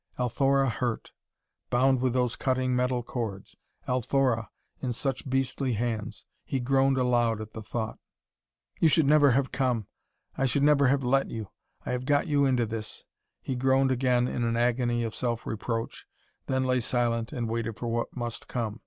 Althora hurt! Bound with those cutting metal cords! Althora in such beastly hands! He groaned aloud at the thought. "You should never have come; I should never have let you. I have got you into this!" He groaned again in an agony of self reproach, then lay silent and waited for what must come.